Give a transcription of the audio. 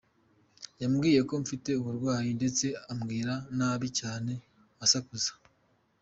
Yambwiye ko mfite uburwayi ndetse ambwira nabi cyane asakuza.